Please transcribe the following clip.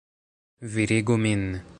Virigu min!